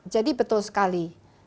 jadi betul sekali